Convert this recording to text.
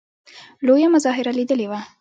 لویه مظاهره لیدلې وه.